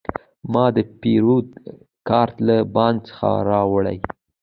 ما د پیرود کارت له بانک څخه راوړی.